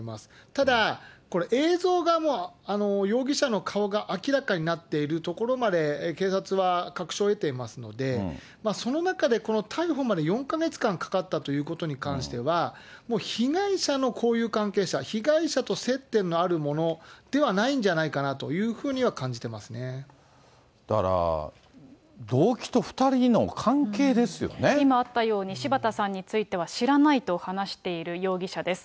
ただ、これ、映像がもう容疑者の顔が明らかになっているところまで、警察は確証を得ていますので、その中でこの逮捕まで４か月間かかったということに関しては、もう被害者の交友関係者、被害者と接点のある者ではないんじゃないかなというふうには感じだから、動機と２人の関係で今あったように、柴田さんについては知らないと話している容疑者です。